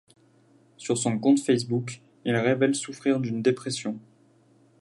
Sur son compte Facebook, il révèle souffrir d'une dépression.